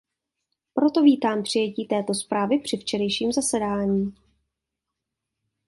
Proto vítám přijetí této zprávy při včerejším zasedání.